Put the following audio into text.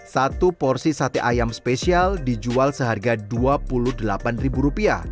satu porsi sate ayam spesial dijual seharga rp dua puluh delapan